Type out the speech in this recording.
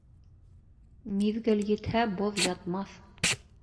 Миҙгел етһә, боҙ ятмаҫ.